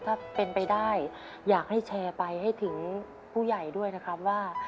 ถ้าเป็นไปได้อยากให้แชร์ไปให้ถึงผู้ใหญ่ด้วยนะครับว่า